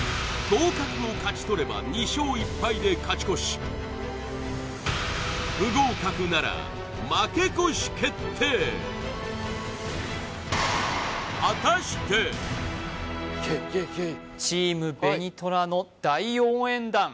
合格を勝ち取れば２勝１敗で勝ち越し不合格なら負け越し決定チーム紅虎の大応援団